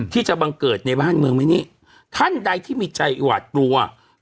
ที่จะบังเกิดในบ้านเมืองไหมนี่ท่านใดที่มีใจหวาดกลัว